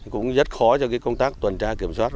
cũng rất khó cho công tác tuần tra kiểm soát